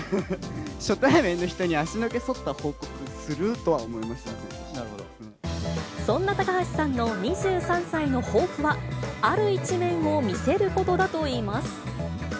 初対面の人に足の毛そった報そんな高橋さんの２３歳の抱負は、ある一面を見せることだといいます。